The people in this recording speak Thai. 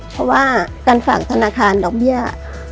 เพราะว่าการฝากธนาคารดอกเบี้ย